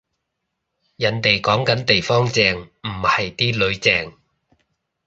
人哋講緊地方正，唔係啲囡正